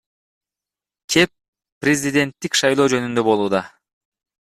Кеп президенттик шайлоо жөнүндө болууда.